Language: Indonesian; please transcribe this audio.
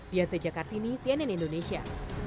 diate jakartini cnn indonesia